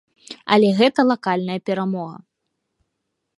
Але гэта лакальная перамога.